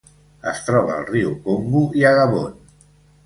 Es troba al riu Congo i a Gabon.